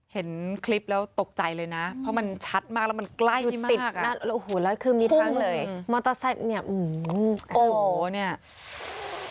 เห็นคลิปแล้วตกใจเลยนะเพราะมันชัดมากแล้วมันใกล้ติดนะโอ้โหแล้วคือมีทั้งเลยมอเตอร์ไซค์เนี่ยโอ้โหเนี่ย